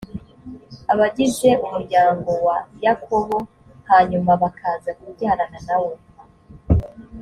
abagize umuryango wa yakobo hanyuma bakaza kubyarana na we